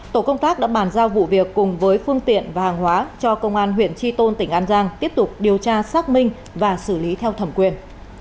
tổ công tác đã bàn giao vụ việc cùng với phương tiện và hàng hóa cho công an huyện tri tôn tỉnh an giang tiếp tục điều tra xác minh và xử lý theo thẩm quyền